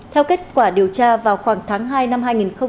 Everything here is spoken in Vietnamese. theo kết quả điều tra vào khoảng tháng hai năm hai nghìn hai mươi